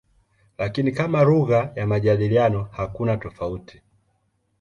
Lakini kama lugha ya majadiliano hakuna tofauti.